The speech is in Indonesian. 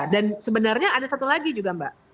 dan sebenarnya ada satu lagi juga mbak